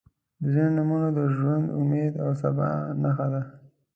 • ځینې نومونه د ژوند، امید او سبا نښه ده.